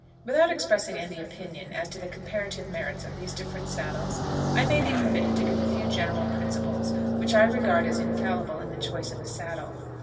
Without expressing any opinion as to the comparative merits of these different saddles, I may be permitted to give a few general principles, which I regard as infallible in the choice of a saddle.